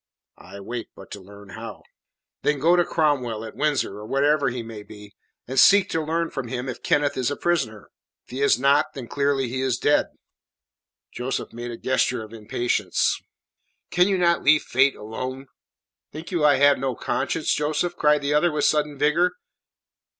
"I wait but to learn how." "Then go to Cromwell, at Windsor or wherever he may be, and seek to learn from him if Kenneth is a prisoner. If he is not, then clearly he is dead." Joseph made a gesture of impatience. "Can you not leave Fate alone?" "Think you I have no conscience, Joseph?" cried the other with sudden vigour.